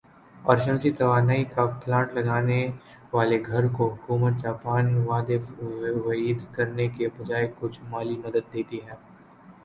اور شمسی توانائی کا پلانٹ لگا نے والے گھر کو حکومت جاپان وعدے وعید کرنے کے بجائے کچھ مالی مدد دیتی ہے